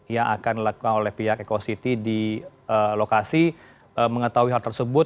yang akan dilakukan oleh pihak eco city di lokasi mengetahui hal tersebut